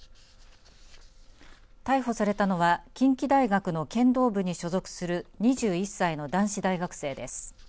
逮捕されたのは近畿大学の剣道部に所属する２１歳の男子大学生です。